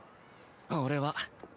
俺は。